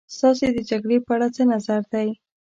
ستاسې د جګړې په اړه څه نظر دی.